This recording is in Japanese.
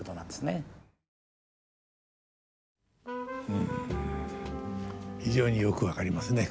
うん非常によく分かりますね。